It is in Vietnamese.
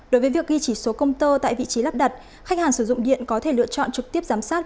đối với việc ghi chỉ số công tơ tại vị trí lắp đặt khách hàng sử dụng điện có thể lựa chọn trực tiếp giám sát